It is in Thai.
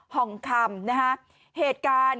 ห่องคำนะฮะเหตุการณ์